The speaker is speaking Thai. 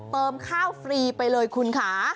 เติมข้าวฟรีไปเลยคุณค่ะ